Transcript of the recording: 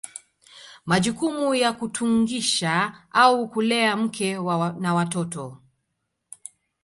Majukumu ya kutungisha au kulea mke na watoto